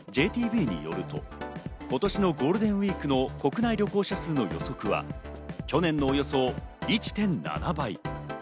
ＪＴＢによると、今年のゴールデンウイークの国内旅行者数の予測は、去年のおよそ１．７倍。